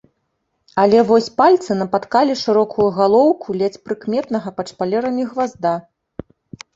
Але вось пальцы напаткалі шырокую галоўку ледзь прыкметнага пад шпалерамі гвазда.